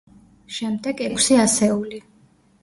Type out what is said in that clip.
შემდეგ, ექვსი ასეული.